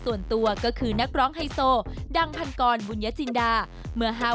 ส่วนตัวก็คือนักร้องไฮโซดังพันกรบุญญจินดาเมื่อ๕๐